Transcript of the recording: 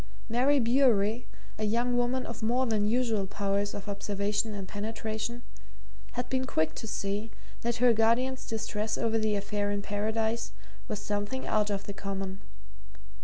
Mary Bewery, a young woman of more than usual powers of observation and penetration, had been quick to see that her guardian's distress over the affair in Paradise was something out of the common.